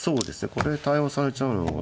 これで対応されちゃうのが。